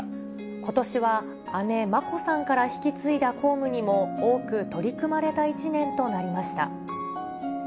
ことしは姉、眞子さんから引き継いだ公務にも多く取り組まれた一年となりました。